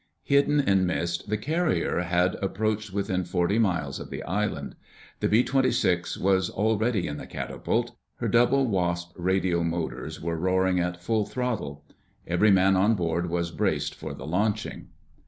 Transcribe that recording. Hidden in mist, the carrier had approached within forty miles of the island. The B 26 was already in the catapult; her Double Wasp radial motors were roaring at full throttle. Every man on board was braced for the launching.